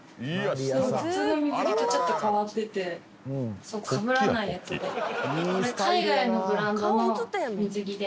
普通の水着とちょっと変わっててかぶらないやつで。